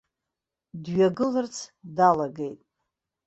Дҩагыларц далагеит.